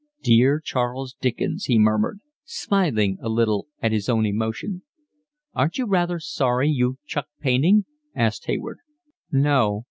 "Dear Charles Dickens," he murmured, smiling a little at his own emotion. "Aren't you rather sorry you chucked painting?" asked Hayward. "No."